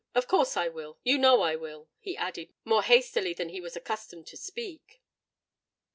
Of course I will—you know I will," he added, more hastily than he was accustomed to speak.